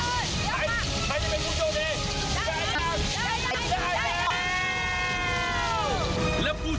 ขอแสดงความยินดีกับผู้ที่ได้รับรางวัลครับ